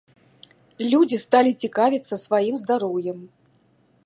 Людзі сталі цікавіцца сваім здароўем.